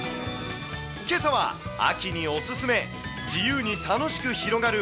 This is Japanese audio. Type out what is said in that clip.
けさは、秋にお勧め、自由に楽しく広がる！